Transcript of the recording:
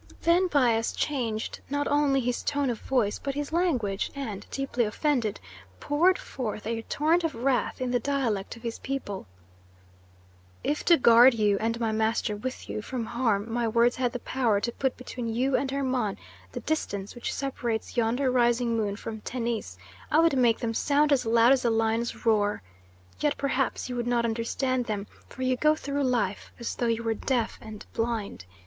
Then Bias changed not only his tone of voice, but his language, and, deeply offended, poured forth a torrent of wrath in the dialect of his people: "If to guard you, and my master with you, from harm, my words had the power to put between you and Hermon the distance which separates yonder rising moon from Tennis, I would make them sound as loud as the lion's roar. Yet perhaps you would not understand them, for you go through life as though you were deaf and blind.